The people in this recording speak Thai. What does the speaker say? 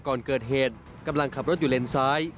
ก่อนเกิดเหตุกำลังขับรถอยู่เลนซ้าย